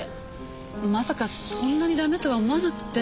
まさかそんなにダメとは思わなくて。